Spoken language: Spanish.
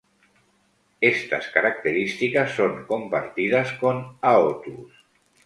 Estas características son compartidas con "Aotus".